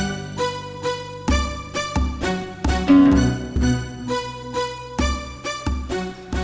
masalah warungnya kang dadang